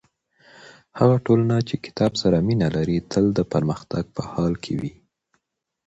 هغه ټولنه چې کتاب سره مینه لري تل د پرمختګ په حال کې وي.